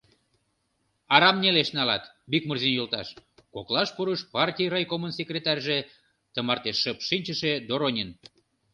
— Арам нелеш налат, Бикмурзин йолташ, — коклаш пурыш партий райкомын секретарьже, тымарте шып шинчыше Доронин.